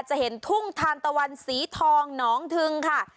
จะเห็นทุ่งทานตะวันสีทองหนองทึงค่ะ